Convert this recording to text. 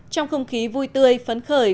trong không khí vui tươi phấn khởi